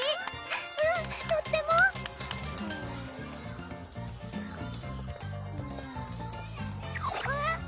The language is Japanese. うんとってもくる？